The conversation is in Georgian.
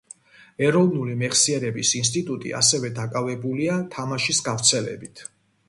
ეროვნული მეხსიერების ინსტიტუტი, ასევე დაკავებულია თამაშის გავრცელებით.